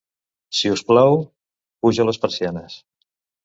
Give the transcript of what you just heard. Si us plau, puja les persianes.